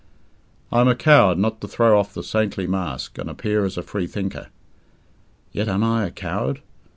I am a coward not to throw off the saintly mask, and appear as a Freethinker. Yet, am I a coward?